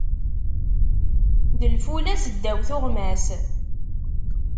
D lfula seddaw tuɣmas.